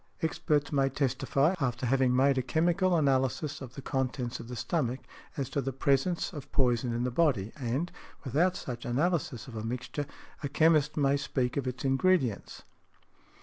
Experts may testify, after having made a chemical analysis of the contents of the stomach, as to the presence of poison in the body; and, without such analysis of a mixture, a chemist may speak of its ingredients .